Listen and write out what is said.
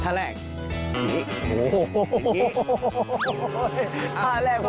ท่าแรกผมต้อนเลย